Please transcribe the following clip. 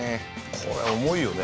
これ重いよね。